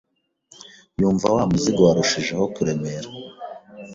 yumva wa muzigo warushijeho kuremera,